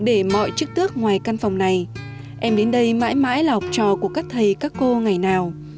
em đến đây mãi mãi là học trò của các thầy các cô ngày nào